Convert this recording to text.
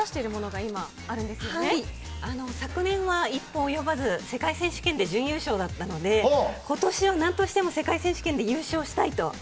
はい、昨年は一歩及ばず世界選手権で準優勝だったので今年は何としても世界選手権で優勝したいと。